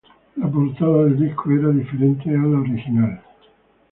La portada del disco era diferente a la original.